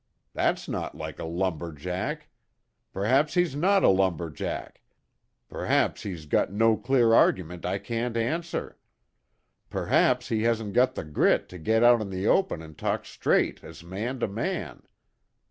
That's not like a lumber jack. P'r'aps he's not a lumber jack. P'r'aps he's got no clear argument I can't answer. P'r'aps he hasn't got the grit to get out in the open and talk straight as man to man.